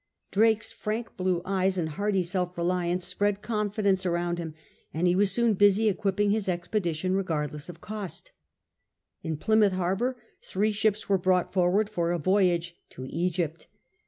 Drake's frank blue eyes and hearty self reliance spread con fidence around him, and he was soon busy equipping his expedition regardless of cost In Plymouth harbour three ships were brought for ward for a voyage to Egypt.